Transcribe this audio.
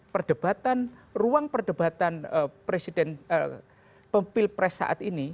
perdebatan ruang perdebatan presiden pemfil pres saat ini